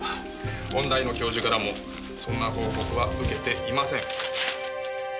音大の教授からもそんな報告は受けていません。